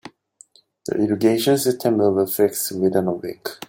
The irrigation system will be fixed within a week.